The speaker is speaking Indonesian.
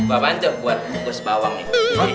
bapak untuk buat bukus bawang nih